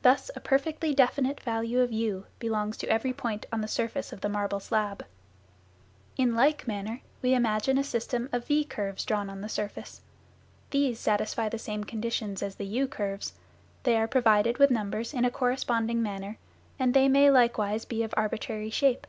Thus a perfectly definite value of u belongs to every point on the surface of the marble slab. In like manner we imagine a system of v curves drawn on the surface. These satisfy the same conditions as the u curves, they are provided with numbers in a corresponding manner, and they may likewise be of arbitrary shape.